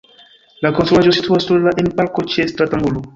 La konstruaĵo situas sola en parko ĉe stratangulo.